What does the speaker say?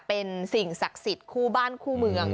เป็นสิ่งศักดิ์สิทธิ์คู่บ้านคู่เมือง